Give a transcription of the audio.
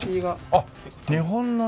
あっ日本のね。